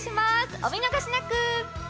お見逃しなく！